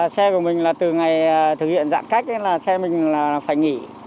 xe của mình là từ ngày thực hiện giãn cách xe mình là phải nghỉ